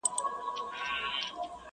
په هره شپه پسي سهار سته.